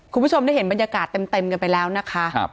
คุณผู้ชมได้เห็นบรรยากาศเต็มกันไปแล้วนะคะ